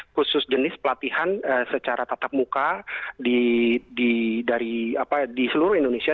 khusus jenis pelatihan secara tatap muka di seluruh indonesia